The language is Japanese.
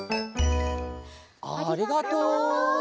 ありがとう！